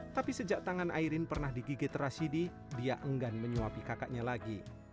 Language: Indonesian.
tapi sejak tangan airin pernah digigit rashidi dia enggan menyuapi kakaknya lagi